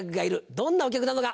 どんなお客なのか？